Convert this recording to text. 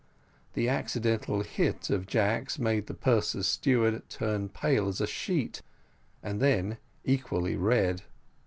This accidental hit of Jack's made the purser's steward turn pale as a sheet, and then equally red.